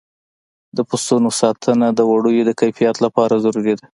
د پسونو ساتنه د وړیو د کیفیت لپاره ضروري ده.